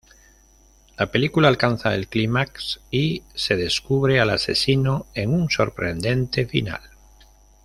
La película alcanza el clímax y se descubre al asesino en un sorprendente final.